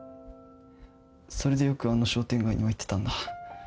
それでよくあの商店街には行ってたんだ。